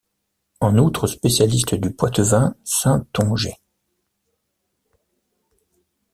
En outre spécialiste du poitevin-saintongeais.